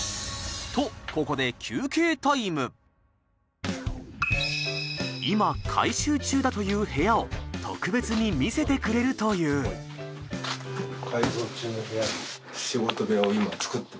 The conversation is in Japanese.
とここで今改修中だという部屋を特別に見せてくれるという改造中の部屋。